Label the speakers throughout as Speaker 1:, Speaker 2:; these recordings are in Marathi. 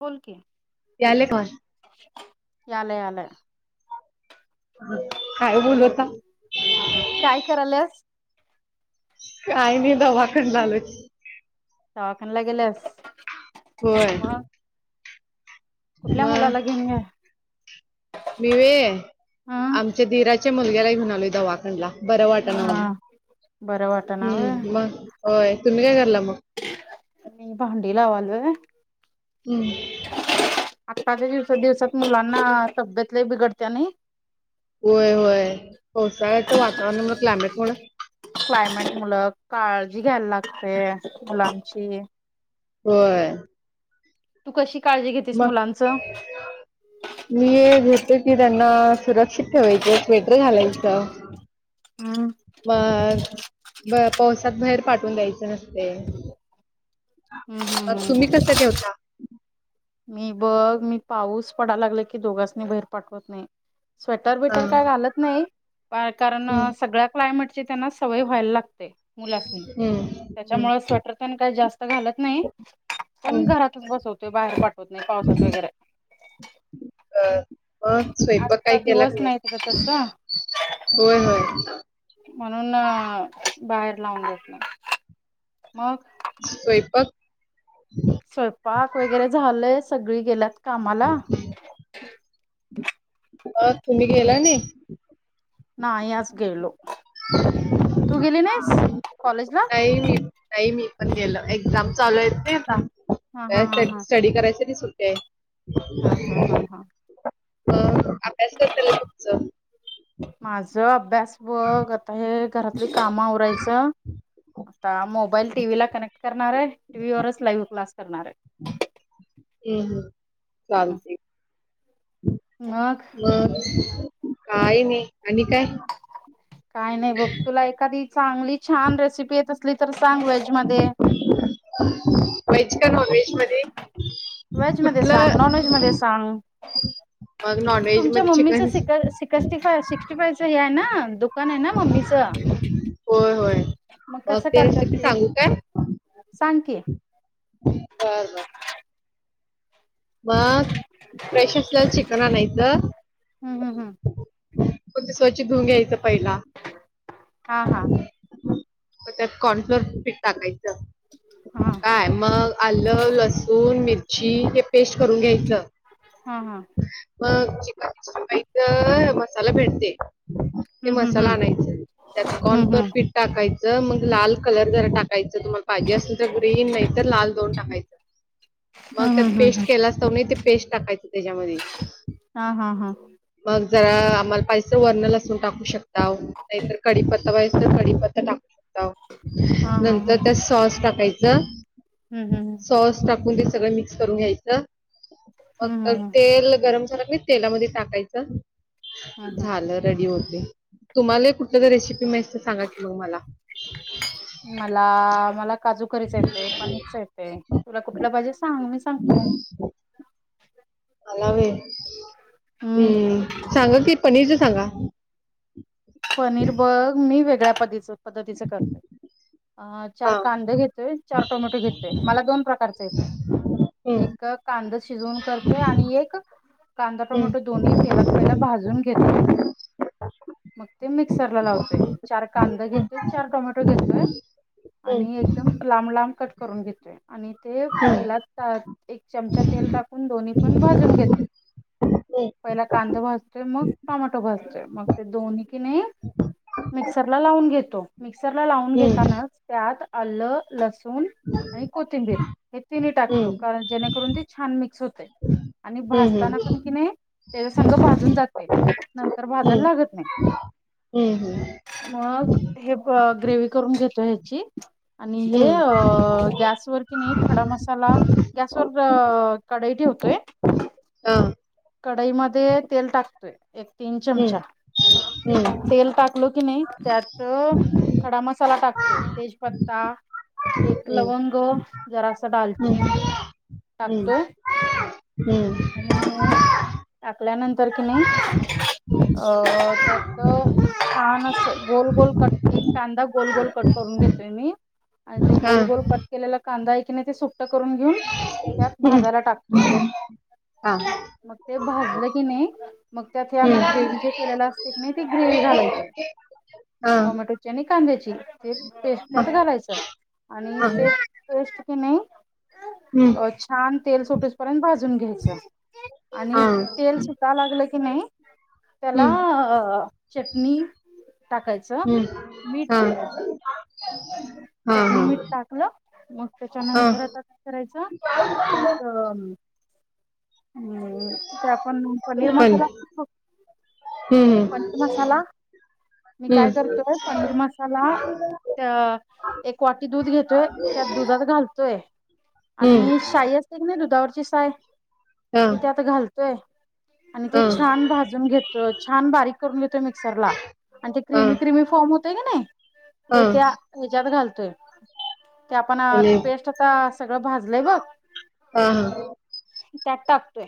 Speaker 1: बोल की
Speaker 2: याले कॉल
Speaker 1: आल आलाय.
Speaker 2: काय बोल होता.
Speaker 1: काय करायल्यास?
Speaker 2: काही नाही दवाखडणा आलं.
Speaker 1: कणला गेलस.
Speaker 2: होय. म
Speaker 1: कुठल्या मुलाला घेऊन गे
Speaker 2: मी वे
Speaker 1: हं.
Speaker 2: आमच्या दीरा ते मुलग्यालाही घेउन आलो दवाखान्याला बरं वाटा ना
Speaker 1: हा
Speaker 2: म्हणून
Speaker 1: बरं वाटना व्हय
Speaker 2: हम्म मग. हो तुम्ही काय करला? मग
Speaker 1: मी भांडी लावालो
Speaker 2: हम्म.
Speaker 1: आत्ताच्या दिवस दिवसात मुलांना तब्येत लय बिघडत्या नाही?
Speaker 2: होय होय पावसाळ्या तर वातावरण म्हण क्लायमेटमुळे
Speaker 1: मुलं काळजी घ्यायला लागते मुलांची.
Speaker 2: होय.
Speaker 1: तु कशी. काळजी घेतेस
Speaker 2: मग
Speaker 1: मुलांचं?
Speaker 2: मी घेते की त्यांना सुरक्षित. ठेवायच स्वेटर घालायचं
Speaker 1: हम्म.
Speaker 2: मग. ब पावसात बाहेर पाठून द्यायचं नसते.
Speaker 1: हम्म हम्म हम्म.
Speaker 2: तुम्ही कसं ठेवता.
Speaker 1: मी बघ मी पाऊस पडाला लागल की दोघांचनी बाहेर पाठवत नाही. स्वेटर
Speaker 2: हा.
Speaker 1: बिटर काय घालत नाही कारण
Speaker 2: हम्म.
Speaker 1: सगळ्या क्लायमेट. त्यांना सवय व्हायला लागते मुलासून.
Speaker 2: हम्म. हम्म.
Speaker 1: त्याच्यामुळे स्वेटर प काही जास्त घालत नाही पण
Speaker 2: हम्म.
Speaker 1: घरातच बसवतो बाहेर पडतो. नाही पावसात वगैरे.
Speaker 2: बर. मग स्वयंपाक काही
Speaker 1: आत्ता
Speaker 2: केला
Speaker 1: दिवस तिकडं
Speaker 2: नाही
Speaker 1: तसं
Speaker 2: होय होय.
Speaker 1: म्हणून बाहेर लावून घेतलं मग.
Speaker 2: स्वयंपाक?
Speaker 1: स्वयंपाक वगैरे झालंय सगळी गेल्यात कामाला
Speaker 2: अ तुम्ही गेला नाही?
Speaker 1: नाही आज गेलो. तू
Speaker 2: टम टम.
Speaker 1: गेली नाहीस
Speaker 2: [unintelligible]
Speaker 1: कॉलेजला?
Speaker 2: पण गेलं एक्झाम चालू आहेेत
Speaker 1: हा
Speaker 2: नाही
Speaker 1: हा हा
Speaker 2: आता स्टडी करायच त सुट्टे
Speaker 1: हा हा हा
Speaker 2: आहे.
Speaker 1: हा हा.
Speaker 2: हा. अभ्यास करताल तुमच?
Speaker 1: माझ अभ्यास बघ आता हे घरातली काम आरायचं. आता मोबाईल टीव्ही ला कनेक्ट करणार आहे टीव्हीवरच लाईव्ह क्लास करणार आहे.
Speaker 2: हम्म चालतंय
Speaker 1: मग
Speaker 2: मग काही नाही आणि काय?
Speaker 1: काय नाही बघ तुला एखादी चांगली छान रेसिपी येत असली तर सांग व्हेज मध्ये
Speaker 2: व्हेज का नॉनव्हेज मध्ये
Speaker 1: व्हेज मध्ये सांग
Speaker 2: कुठलं
Speaker 1: नॉनव्हेज मध्ये सांग
Speaker 2: मग नॉन व्हेज
Speaker 1: तुमच्या
Speaker 2: मध्ये
Speaker 1: मम्मीच स
Speaker 2: चिकन
Speaker 1: सिकस्टी फा सिक्स्टी फाय च हे आहे ना? दुकान आहे ना मम्मीच
Speaker 2: होय होय.
Speaker 1: मग कसं
Speaker 2: ते
Speaker 1: कर
Speaker 2: रेसिपी
Speaker 1: करते
Speaker 2: सांगू
Speaker 1: सांग कि
Speaker 2: बरं बरं मग फ्रेश असलेलं चिकन आणायचं
Speaker 1: हम्म हम्म हम्म
Speaker 2: स्वच्छ धुऊन घ्यायचं पहिला
Speaker 1: हा हा
Speaker 2: त्यात कॉर्नफ्लोर पीठ टाकायचं
Speaker 1: हा
Speaker 2: काय मग आलं लसूण मिरची हे पेस्ट करून घ्यायचं
Speaker 1: हा हा.
Speaker 2: मग चिकन सिक्स्टी फाय मसाला भेटते. ते
Speaker 1: हम्म हम्म
Speaker 2: मसाला
Speaker 1: हम्म
Speaker 2: आणायचं त्यात कॉन
Speaker 1: हम्म
Speaker 2: कर पीठ टाकायचं मग लाल कलर जर टाकायचं तुम्हाला पाहिजे असेल तर ग्रीन नाही तर लाल दोन टाकायचं मग
Speaker 1: हम्म हम्म
Speaker 2: त्यात
Speaker 1: हम्म
Speaker 2: पेस्ट
Speaker 1: हम्म
Speaker 2: केला असत नाही ते पेस्ट टाकायची त्याच्यामध्ये
Speaker 1: हा हा हा
Speaker 2: मग जरा आम्हाला पाहिजे असेल वरण लसूण टाकू शकता नाहीतर कडीपत्ता पाहि तर कडीपत्ता टाक
Speaker 1: हा हा हा
Speaker 2: नंतर त्या सॉस टाकायचं
Speaker 1: हम्म हम्
Speaker 2: सॉस
Speaker 1: हम्
Speaker 2: ते सगळ मिक्स करून घ्यायचं
Speaker 1: हम्म
Speaker 2: मग
Speaker 1: हम्म हम्म
Speaker 2: तेल गरम तेलामध्ये टाकायच
Speaker 1: हम्म
Speaker 2: झालं रेडी होन तुम्हाला कुठल्या तर रेसिपी माहिती सांगा की मग मला
Speaker 1: मला मला काजू करी येते पनीरच येते तुला कुठल्या पाहिजे सांग मी सांगतो
Speaker 2: मला व्हय
Speaker 1: हम्म
Speaker 2: सांगा किती पनीरच सांगा
Speaker 1: पनीर बर मी वेगळ्या पद्ध पद्धतीचे करतोय अ चार
Speaker 2: हा
Speaker 1: कांदे घेतोय चार टोमॅटो घेतोय मला दोन प्रकारच येते
Speaker 2: हम्म
Speaker 1: एक कांदा शिजवून करतोय आणि एक कांदा
Speaker 2: हम्म
Speaker 1: टोमॅटो दोन्ही तेलात पहिला भाजून घेतोय मग ते मिक्सरला लावतोय चार कांदा घेतोय चार टोमॅटो घेतोय
Speaker 2: हम्म
Speaker 1: आणि एकदम लांब लांब कट करून घेतोय आणि ते तेलात एक चमचा तेल टाकून दोन्ही पण भाजून घेत
Speaker 2: ह
Speaker 1: पहिला कांदा भाजतोय मग टोमॅटो भाजतोय मग ते दोन्ही की नाही मिक्सरला लावून घेतो मिक्सरला लावून
Speaker 2: हम्म
Speaker 1: घेताना त्यात आलं लसूण लसूण आणि कोथिंबीर हे तिन्ही टाकतो
Speaker 2: हम्म
Speaker 1: कारण जेणेकरून ती छान मिक्स होते आणि
Speaker 2: हम्म
Speaker 1: भाजताना पण
Speaker 2: हम्म
Speaker 1: कि नाही त्याचा संग भाजून जाते नंतर भाजायला लागत नाही
Speaker 2: हम्म हम्म
Speaker 1: मग हे ग्रेवी करून घेतो ह्याची आणि हे गॅसवर कि नाही खडा मसाला गॅसवर कडई ठेवतोय कढाईमध्ये तेल टाकतोय एक तीन
Speaker 2: हम्म हम्म हम्म हा हम्म
Speaker 1: चमचा
Speaker 2: हम्म
Speaker 1: तेल टाक टाकलो की नाही त्यात खडा मसाला टाकतोय तेजपत्ता एक
Speaker 2: हम्म
Speaker 1: लवंग जरा असं दालचीन
Speaker 2: हम्म
Speaker 1: टाकतोय आणि
Speaker 2: हम्म
Speaker 1: टाकल्यानंतर कि नाही अ त्यात छान अस गोल गोल कट एक कांदा गोल गोल कट करून घेतोय मी आणि ते
Speaker 2: हा
Speaker 1: गोल गोल कट केलेला कांदा आहे की नाही सुक करून घेऊन त्यात भाजायला टाकते
Speaker 2: हा हम्म
Speaker 1: मग ते भाजलं की नाही मग त्यात आम्ही
Speaker 2: हा
Speaker 1: ग्रेवही जे केलेला असते की नाही ते ग्रेवी घालायची
Speaker 2: हा
Speaker 1: टोमॅटोची आणि कांद्याची ते पेस्टत घालायचं आणि
Speaker 2: हा
Speaker 1: ते की नाही
Speaker 2: हम्म
Speaker 1: छान तेल सुटेसपर्यंत भाजून घ्यायच
Speaker 2: हा
Speaker 1: आणि तेल सुटाय लागलं की नाही त्याला
Speaker 2: हम्म
Speaker 1: अ चटणी टाकायचं
Speaker 2: हम्म
Speaker 1: मीठ
Speaker 2: हा
Speaker 1: टाकायचं
Speaker 2: हा
Speaker 1: चटणी मीठ
Speaker 2: हा
Speaker 1: टाकलं मग त्याच्या
Speaker 2: हा
Speaker 1: नंतर आता काय करायचं त्यात हम्म ते आपण पनीर
Speaker 2: पण
Speaker 1: मसाला घालतो बग
Speaker 2: हम्म हम्
Speaker 1: मी काय करतोय पनीर मसाला त्या एक वाटी दूध घेतोय त्यात दुधात घालतोय
Speaker 2: हम्म
Speaker 1: आणि शाई असते की नाही दुधावरची साय
Speaker 2: हा
Speaker 1: तिथ आता घालतोय आणि ते
Speaker 2: हा
Speaker 1: छान भाजून घेतो छान बारीक करून घेतो मिक्सरला आणि ते
Speaker 2: हा
Speaker 1: क्रिमी क्रिमी फॉर्म होतं होतं की नाई
Speaker 2: हा
Speaker 1: ते त्या हेच्यात घालतोय ते आपण
Speaker 2: आणि
Speaker 1: पेस्ट आता सगळं भाजलंय बघ
Speaker 2: हा हा
Speaker 1: त्यात टाकतोय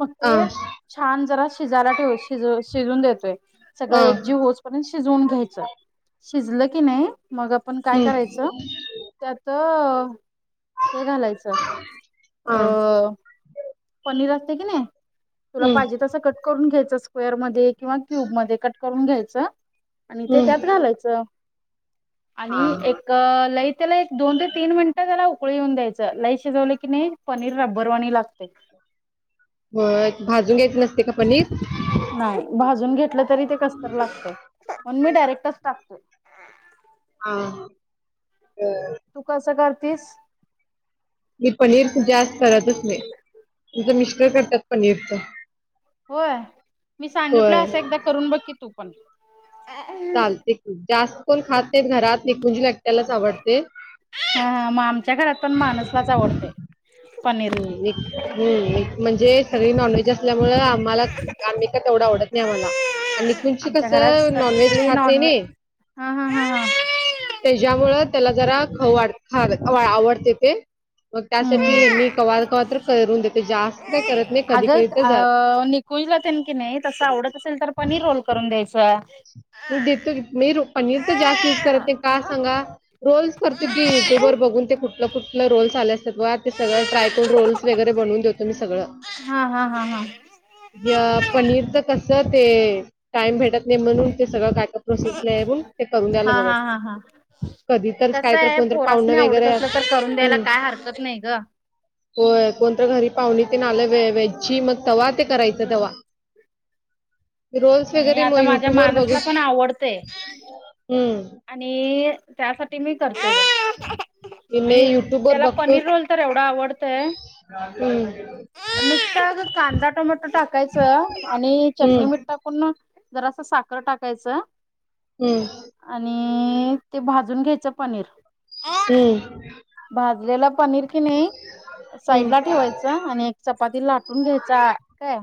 Speaker 1: मग ते छान जरा शिजायला ठेव शीज शिजून देतोय सगळं
Speaker 2: हा
Speaker 1: एकजीव होचपर्यंत शिजवून घ्यायचं शिजलं की नाई मग आपण काय
Speaker 2: हम्म
Speaker 1: करायचं त्यात हे घालायचं
Speaker 2: हा
Speaker 1: अं नीर असतं की नाई... तुला
Speaker 2: हम्म
Speaker 1: पाहिजे तसं कट करून घ्यायचं स्क्वेअर मध्ये किंवा क्यूब मध्ये कट करून घ्यायचं आणि ते त्यात
Speaker 2: हम्म
Speaker 1: घालायचं
Speaker 2: हा
Speaker 1: आणि एक लय त्याला एक दोन ते तीन मिनिटं झाला उकळी येऊन द्यायचं लई शिजवलं की नाई पनीर रब्बरवाणी लागतंय
Speaker 2: होय भाजून घ्यायचं नसतं का पनीर
Speaker 1: नाय भाजून घेतलं तरी ते कसंतरी लागतंय म्हणून मी डायरेक्टच टाकतोय ह
Speaker 2: हा... बरं
Speaker 1: तू कसं करतीस
Speaker 2: मी पनीर जास्त करतच नाई माझं मिस्टर करतात पनीरचं
Speaker 1: होय मी सांगितलो असं एकदा करून बघ की तू पण हा
Speaker 2: चालतंय की जास्त कोण खात नाई घरात निकुंजला एकट्यालाच आवडतंय
Speaker 1: हा मग आमच्या घरात पण मानसलाच आवडतंय
Speaker 2: हम्म एक हम्म एक म्हणजे सगळी नॉनव्हेज असल्यामुळे आम्हाला आम्ही का तेवढं आवडत नाही आम्हाला आणि निकुचं
Speaker 1: आमच्या घरात
Speaker 2: कसं नॉन व्हेज
Speaker 1: सगळे
Speaker 2: खात नई
Speaker 1: नॉनव्हेज
Speaker 2: नै
Speaker 1: हा हा हा हा
Speaker 2: त्याच्यामुळे त्याला जरा खाऊ वाट खावे आवडते ते मग
Speaker 1: हम्म
Speaker 2: त्यासाठी यांनी कवा कवा तर करून देते जास्त काही करत नाही कधी
Speaker 1: अगं
Speaker 2: कधी तर जरा
Speaker 1: अ निकुंजला ते की नाई तसं आवडत असेल तर पनीर रोल करून द्यायचा
Speaker 2: देतो की मी पनीर तर जास्त युज
Speaker 1: हा
Speaker 2: करते का सांगा रोल्स करतो की युट्यूबवर बघून ते कुठलं कुठलं रोल्स आल्यात ते सगळं ट्राय करून रोल्स वगैरे बनवून देतो मी सगळं
Speaker 1: हा हा हा
Speaker 2: या पनीरच कसं ते टाइम भेटत नाही म्हणून ते सगळं का प्रोसेस नाही म्हणून ते करून द्याला
Speaker 1: हा हा हा हा
Speaker 2: बघ कधी तर
Speaker 1: कसं
Speaker 2: कायतर
Speaker 1: आहे
Speaker 2: कोणतरी पाहुणं
Speaker 1: पोरासनी आवडत
Speaker 2: वगैरे
Speaker 1: असलं
Speaker 2: असेल
Speaker 1: करून
Speaker 2: तर...
Speaker 1: द्यायला काय
Speaker 2: हम्
Speaker 1: हरकत नाही ग.
Speaker 2: होय कोणतर घरी पाहुणी तेन आलं वेजची मग तवा ते करायचं तवा रोल्स
Speaker 1: नाही
Speaker 2: वगैरे मग
Speaker 1: आता
Speaker 2: यू
Speaker 1: माझ्या मानसला पण आवडतंय
Speaker 2: हम्म
Speaker 1: आणि त्यासाठी मी [unintelligible]
Speaker 2: मी
Speaker 1: आणि
Speaker 2: युट्यूबवर
Speaker 1: त्याला
Speaker 2: बघतो
Speaker 1: पनीर रोल तर एवढा आवडतंय
Speaker 2: हम्म
Speaker 1: नुसता जर कांदा टोमॅटो टाक टाकायचं आणि चटणी
Speaker 2: हम्म
Speaker 1: मीठ टाकून ना जरासं साखर टाकायचं
Speaker 2: हम्म
Speaker 1: आणि ते भाजून घ्यायचं पनीर
Speaker 2: हम्
Speaker 1: भाजलेला पनीर कि नाही साईडला
Speaker 2: हम्म
Speaker 1: ठेवायचा आणि एक चपाती लाटून घ्यायचा काय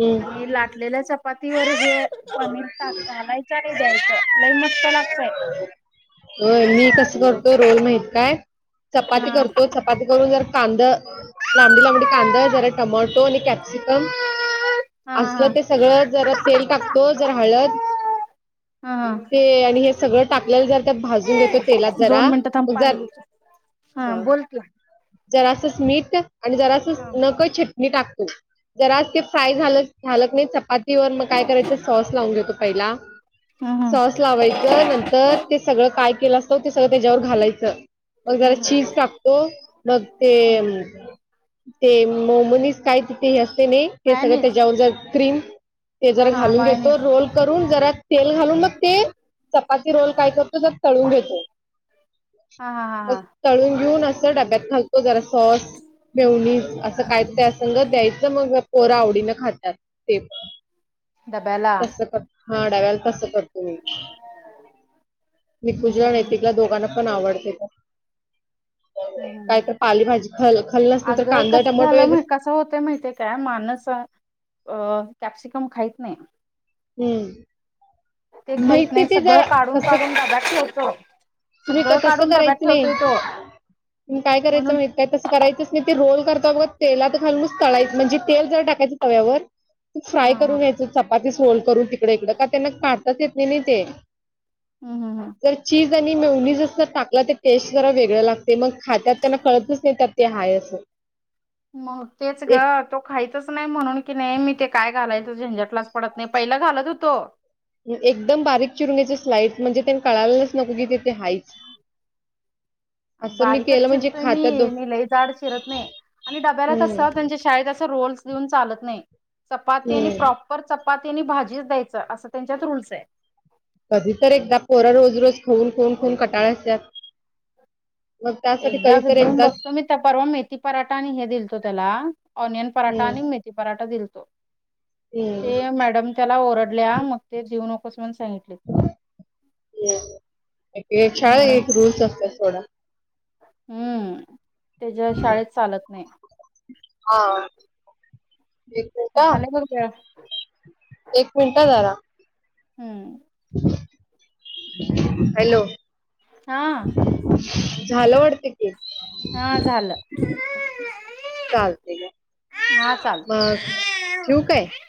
Speaker 2: हम्म
Speaker 1: आणि लाटलेल्या चपातीवर हे पनीर घालायचं आणि द्यायचं लई मस्त लागतंय
Speaker 2: होय मी कसं करतो रोल माहित काय चपाती
Speaker 1: हा
Speaker 2: करतो चपाती करून जर कांदं लांबडी लांबडी कांदं जरा टमट आणि कॅप्सिकम
Speaker 1: हा हा
Speaker 2: असलं ते सगळं जरा तेल टाकतो जर हळद....
Speaker 1: हा
Speaker 2: ते आणि हे सगळं टाकलेलं जर भाजून घेतो तेलात जरा
Speaker 1: दोन मिनिटात थांब
Speaker 2: मग ज
Speaker 1: पाणी देतो. हा बोल की
Speaker 2: जरासस मीठ आणि जरास
Speaker 1: हम्
Speaker 2: नक छट मी टाकतो जरा ते फ्राय झा झाल नाही चपाती ववर मग काय करायचं सॉस लावून देतो पहिला
Speaker 1: हम
Speaker 2: सॉस लावायचं नंतर ते सगळं काय केलं असतं ते सगळं त्याच्यावर घालायचं. मग जरा
Speaker 1: हम्म
Speaker 2: चीज टाकतो मग
Speaker 1: हम्म
Speaker 2: ते ते मोमनीस काय तिथे हे असते नाही ते सगळं
Speaker 1: मायोनीज
Speaker 2: त्याच्यावर जर क्रीम ते
Speaker 1: हा
Speaker 2: जर
Speaker 1: हा
Speaker 2: घेतो
Speaker 1: मायोनीज
Speaker 2: रोल करून जरा तेल घालून मग ते चपाती रोल काय करतो तळून घेतो.
Speaker 1: हा हा हा
Speaker 2: मग
Speaker 1: हा
Speaker 2: तळून घेऊन असं डब्यात घालतो जरा सॉस मेवणीज असं काय त्या संंग द्यायचं मग पोरं आवडीनें खातात ते
Speaker 1: डब्याला
Speaker 2: तसं करतो हा डब्याला तस करतु मी
Speaker 1: हम्म
Speaker 2: निकूजला, नैतिकला दोघांना पण आवडते काय तर पालीभजी
Speaker 1: अग कस झालं कस होत माहितीय काय माणस अ कॅप्सिकम खाईत नाही.
Speaker 2: हम्म
Speaker 1: ते खाहीत
Speaker 2: माहिती
Speaker 1: नाही
Speaker 2: ते
Speaker 1: सगळं
Speaker 2: जरा
Speaker 1: काढून
Speaker 2: कसं
Speaker 1: काढून डब्यात ठेवतो
Speaker 2: तुम्ही
Speaker 1: सगळं
Speaker 2: तसं
Speaker 1: काढून डब्यात
Speaker 2: करायचं
Speaker 1: ठेवतोय तो
Speaker 2: नाही. काय करायचं
Speaker 1: म्हणून
Speaker 2: माहित काय तसं करायचंच नाही ते रोल करत बघ तेला म्हण ते जर टाकायच तव्यावर
Speaker 1: हा
Speaker 2: फ्राय
Speaker 1: हा
Speaker 2: करून घयी सोल करून तिकडे इकडं का त्यांना काताच येत नाही नाही ते
Speaker 1: हम्म हम् हम्म
Speaker 2: जर चीज आणि मनी जस टाकलं तर टेस्ट जरा वेगळं लागते मग खातात त्यांना कळतच नाहीेतात ते हाय असं
Speaker 1: मग तेच ग
Speaker 2: एक
Speaker 1: तो खायचच नाही म्हणून की नाही मी ते काय घालायचो झंझटलाच पडत नाही पहिला घालत होतो.
Speaker 2: एकदम बारीक चिरुणीचे स्लाईड म्हणजे त्यानी कळालाच नको की तिथे हाईच. [inaudible]
Speaker 1: बारीकच चिरतोय मी मी लई जाड चिरत नाही. आणि डब्याला कस
Speaker 2: हम्म
Speaker 1: म्ह शाळेत अस रोल्स देऊन चालत नाही चपाती आणि
Speaker 2: हम्म
Speaker 1: प्रॉपर च चपातीनी भाजीच द्यायचं असं त्यांच्यात रूल्स आहे.
Speaker 2: कधी तर एकदा पोर रोज रोज खाऊन खाऊन कटाळ अस्यात
Speaker 1: एकदा देऊन बघतो मी, त्या परवा मेथी पराठा आणि हे दिलतो त्याला ऑनियन पराठा
Speaker 2: हम्म
Speaker 1: आणि मेथी पराठा दि
Speaker 2: हम्म
Speaker 1: ते मॅडम त्याला ओरडल्या मग ते जीऊ नकोस म्हण
Speaker 2: हम
Speaker 1: म्हणून
Speaker 2: एक रूल्स असत थोडा
Speaker 1: हम्म त्याच्या शाळेत चालत नाही.
Speaker 2: हा. एक
Speaker 1: झाले बघ
Speaker 2: मिनिट
Speaker 1: वेळ
Speaker 2: एक मिनट जरा
Speaker 1: हम्म
Speaker 2: हॅलो
Speaker 1: हा
Speaker 2: झालं वाटत ते
Speaker 1: हा झालं
Speaker 2: चालते का
Speaker 1: हा
Speaker 2: मग ठेव काय?
Speaker 1: चालतय